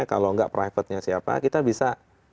kalau nggak privatenya siapa kita bisa